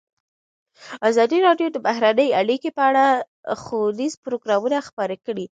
ازادي راډیو د بهرنۍ اړیکې په اړه ښوونیز پروګرامونه خپاره کړي.